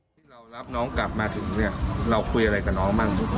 ที่เรารับน้องกลับมาถึงเนี่ยเราคุยอะไรกับน้องบ้าง